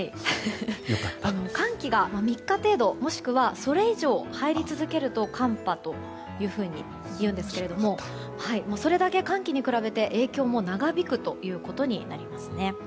寒気が３日程度もしくはそれ以上入り続けると寒波というふうに言うんですがそれだけ寒気に比べて影響も長引くんですね。